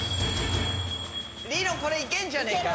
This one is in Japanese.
梨乃これいけんじゃねえか？